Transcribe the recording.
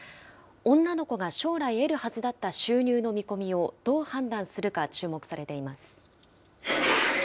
女の子が将来得るはずだった収入の見込みをどう判断するか注目されています。